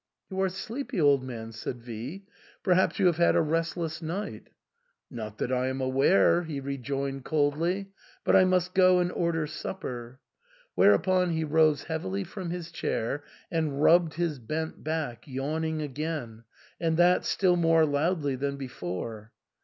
" You are sleepy, old man," said V ;" perhaps you have had a restless night ?" "Not that I am aware," he rejoined coldly ;" but I must go and order supper." Whereupon he rose heavily from his chair and rubbed his bent back, yawning again, and that still more loudly than before.